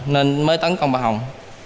nên mới tấn công bà hồng